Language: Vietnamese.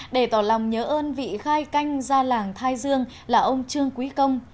để tỏ lòng nhớ ơn vị khai canh ra làng thai dương là ông trương quý công